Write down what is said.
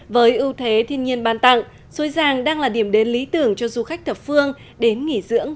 với ưu thế thiên nhiên ban tặng suối giang đang là điểm đến lý tưởng cho du khách thập phương đến nghỉ dưỡng